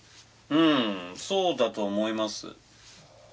うんそうだと思います。